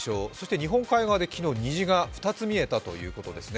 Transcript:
日本海側で虹が２つ見えたということです。